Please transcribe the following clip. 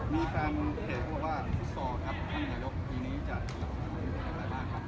มีแฟนเพจว่าว่าฟุตซอลครับทำใหญ่ยกทีนี้จะเหลืออะไรบ้างครับ